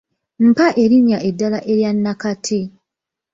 Mpa erinnya eddala erya nakati.